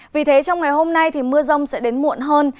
vì thế trong ngày hôm nay thì mưa rông sẽ đến muộn hơn